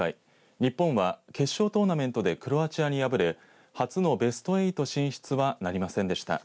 日本は、決勝トーナメントでクロアチアに敗れ初のベスト８進出はなりませんでした。